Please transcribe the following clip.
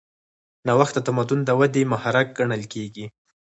نوښت د تمدن د ودې محرک ګڼل کېږي.